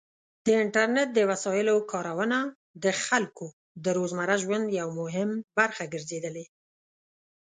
د انټرنیټ د وسایلو کارونه د خلکو د روزمره ژوند یو مهم برخه ګرځېدلې.